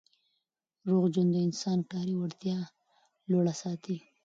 روغ ژوند د انسان کاري وړتیا لوړه ساتي.